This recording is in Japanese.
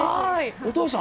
お父さん？